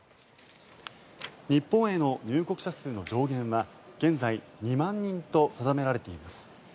日本への入国者数の上限は現在２万人と定められています。